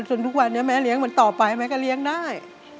ทุกวันนี้แม่เลี้ยงมันต่อไปแม่ก็เลี้ยงได้